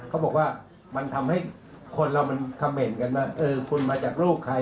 เขาบอกว่ามันทำให้คนเรามันคำเมนต์กันว่าเออคุณมาจากลูกใคร